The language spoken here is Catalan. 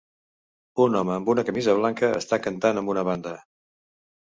Un home amb una camisa blanca està cantant amb una banda.